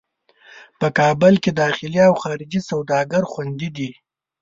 په کابل کې داخلي او خارجي سوداګر خوندي دي.